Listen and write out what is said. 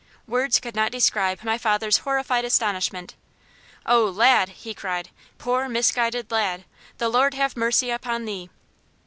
Words could not describe my father's horrified astonishment. "Oh, lad!" he cried; "poor, misguided lad! the Lord have mercy upon thee!"